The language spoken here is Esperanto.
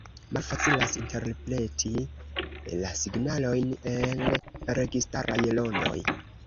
Malfacilas interpreti la “signalojn el registaraj rondoj.